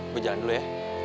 gue jalan dulu ya